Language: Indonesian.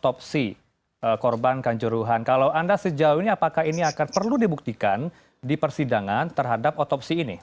otopsi korban kanjuruhan kalau anda sejauh ini apakah ini akan perlu dibuktikan di persidangan terhadap otopsi ini